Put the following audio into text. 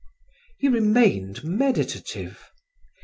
He remained meditative.